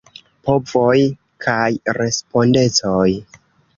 Povoj kaj respondecoj.